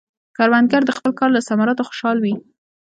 کروندګر د خپل کار له ثمراتو خوشحال وي